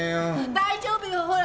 大丈夫よほら！